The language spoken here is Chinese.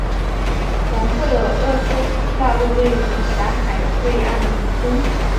广阔的厄索斯大陆位于狭海对岸以东。